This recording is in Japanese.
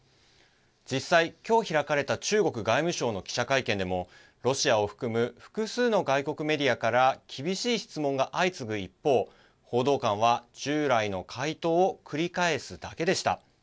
実際、今日開かれた中国外務省の記者会見でもロシアを含む複数の外国メディアから厳しい質問が相次ぐ一方報道官は従来の回答を繰り返すだけでした。